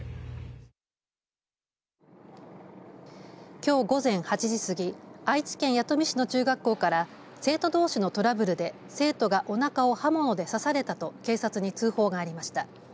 きょう午前８時過ぎ愛知県弥富市の中学校から生徒どうしのトラブルで生徒がおなかを刃物で刺されたと警察に通報がありました。